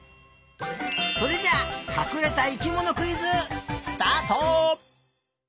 それじゃあかくれた生きものクイズスタート！